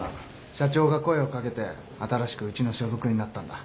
社長が声を掛けて新しくうちの所属になったんだ。